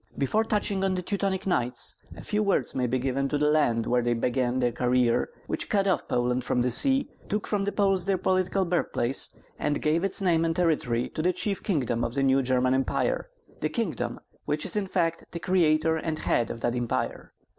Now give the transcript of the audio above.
Before touching on the Teutonic Knights, a few words may be given to the land where they began that career which cut off Poland from the sea, took from the Poles their political birthplace, and gave its name and territory to the chief kingdom of the new German Empire, the kingdom which is in fact the creator and head of that Empire.